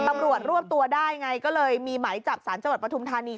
ตำรวจรวบตัวได้ไงก็เลยมีหมายจับสารจังหวัดปทุมธานี